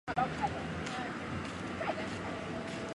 主席为杨新民。